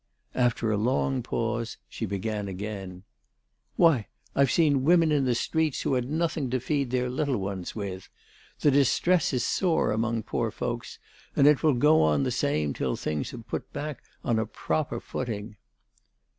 After a long pause, she began again: "Why, I've seen women in the streets who had nothing to feed their little ones with. The distress is sore among poor folks. And it will go on the same till things are put back on a proper footing."